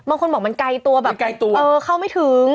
บางคนบอกมันไกลตัวเออเข้าไม่ถึง